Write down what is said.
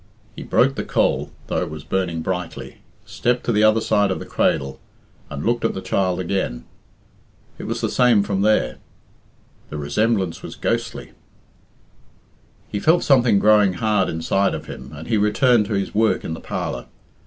He broke the coal, though it was burning brightly, stepped to the other side of the cradle, and looked at the child again. It was the same from there. The resemblance was ghostly. He felt something growing hard inside of him, and he returned to his work in the parlour.